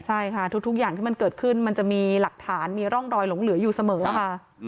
ใช่ค่ะทุกอย่างที่มันเกิดขึ้นมันจะมีหลักฐานมีร่องรอยหลงเหลืออยู่เสมอค่ะ